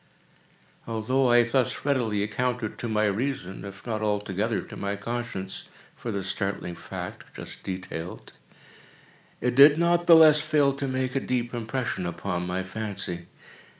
Although I thus readily accounted to my reason, if not altogether to my conscience, for the startling fact just detailed, it did not the less fail to make a deep impression upon my fancy.